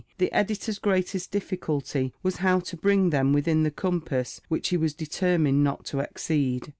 the Editor's greatest difficulty was how to bring them within the compass which he was determined not to exceed.